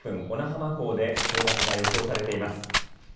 小名浜港で到達が予想されています。